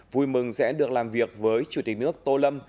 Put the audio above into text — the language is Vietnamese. vui mừng sẽ được làm việc với chủ tịch nước tô lâm